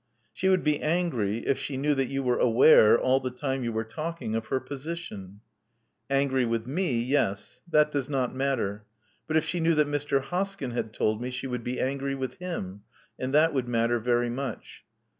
'*She would be angry if she knew that you were aware, all the time you were talking, of her position." *• Angry with me: yes. That does not matter. But if she knew that Mr. Hoskyn had told me she wotild be angry with him; and that wotdd matter very much."